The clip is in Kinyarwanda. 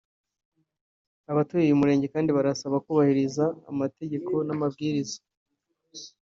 Abatuye uyu murenge kandi barasabwa kubahiriza amategeko n’amabwiriza